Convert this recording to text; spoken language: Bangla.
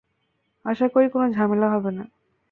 আশা করি কোনো ঝামেলা হবে না।